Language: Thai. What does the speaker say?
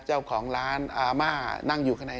เจ้าของร้านอาม่านั่งอยู่ข้างใน